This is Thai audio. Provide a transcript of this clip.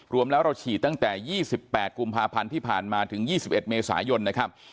รวมแล้วเราฉีดตั้งแต่๒๘กุมภาพันธ์ที่ผ่านมาถึง๒๑เมษายนนะครับ